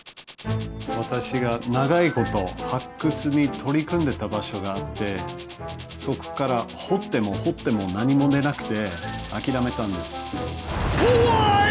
私が長いこと発掘に取り組んでた場所があってそこから掘っても掘っても何も出なくて諦めたんです。